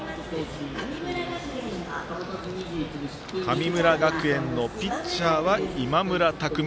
神村学園のピッチャーは今村拓未。